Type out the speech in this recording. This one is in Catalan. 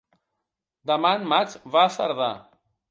Demà en Max va a Cerdà.